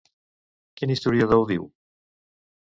Quin historiador ho diu?